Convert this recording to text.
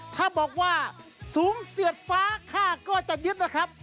ถ้าบอกว่าสูงเสียดฟ้าค่าก็จะยึดนะครับ